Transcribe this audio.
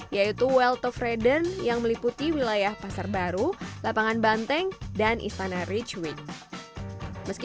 yaitu weltofreden yang meliputi wilayah pasar baru lapangan banteng dan istana richwick meski